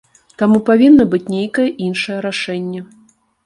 Таму павінна быць нейкае іншае рашэнне.